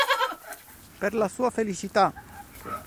Per la sua felicità